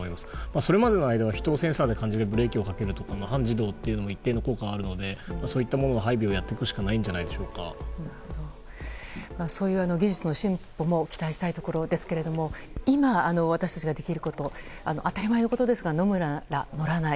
それまでの間は人をセンサーで気づくとか半自動というのも一定の効果があるのでそういったものをやってほしくないんじゃそういう技術の進歩も期待したいところですが今、私たちができること当たり前のことですが飲むなら乗らない。